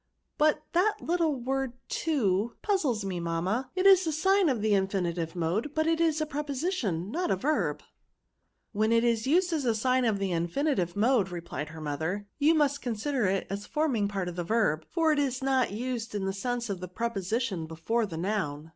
But that little word to puzzles me, mamma; it is a sign of the infinitive mode, but it is a preposition, not a verb." "When it is used as the sign of the in finitive mode," replied her mother, '* you must consider it as forming part of the verb ; for it is not used in the sense of the prepo sition before the noun.